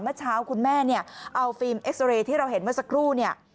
เมื่อเช้าคุณแม่เนี่ยเอาฟิล์มเอ็กซอเรย์ที่เราเห็นเมื่อสักครู่เนี่ย